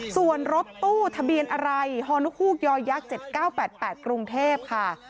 ส่วนรถตู้ทะเบียนอะไรฮย๗๙๘๘กรุงเทพฯค่ะ